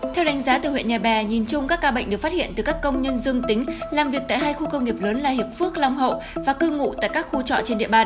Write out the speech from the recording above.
theo đánh giá từ huyện nhà bè nhìn chung các ca bệnh được phát hiện từ các công nhân dương tính làm việc tại hai khu công nghiệp lớn là hiệp phước long hậu và cư ngụ tại các khu trọ trên địa bàn